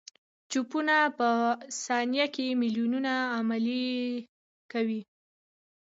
چپونه په ثانیه کې میلیونونه عملیې کوي.